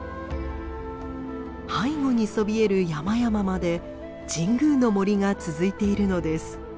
背後にそびえる山々まで神宮の森が続いているのです。